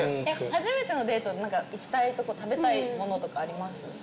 初めてのデートで何か行きたいとこ食べたいものとかあります？